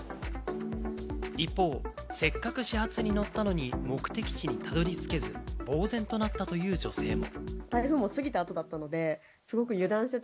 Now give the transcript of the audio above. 一方、せっかく始発に乗ったのに目的地にたどり着けず、ぼうぜんとなったという女性は。